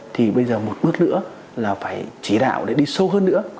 thì bây giờ một bước nữa là phải chỉ đạo để đi sâu hơn nữa